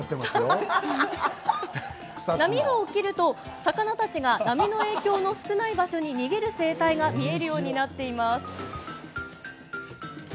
波が起きると魚たちが波の影響の少ない場所に逃げる生態が見えるようになっています。